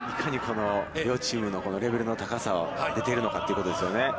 だからね、いかに両チームのレベルの高さを出ているのかということですよね。